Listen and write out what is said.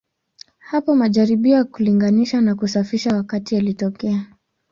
Hapo majaribio ya kulinganisha na kusafisha wakati yalitokea.